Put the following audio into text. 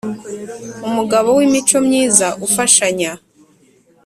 Umugabo w’ imico myiza ufashanya.